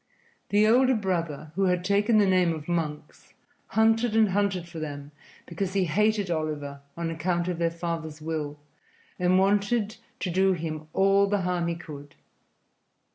The older brother, who had taken the name of Monks, hunted and hunted for them, because he hated Oliver on account of their father's will, and wanted to do him all the harm he could.